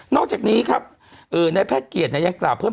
อกจากนี้ครับในแพทย์เกียรติยังกล่าวเพิ่ม